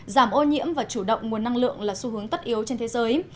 giảm ô nhiễm và chủ động nguồn năng lượng là xu hướng tất yếu trên thế giới